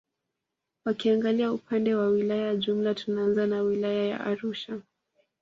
Tukiangalia upande wa wilaya jumla tunaanza na wilaya ya Arusha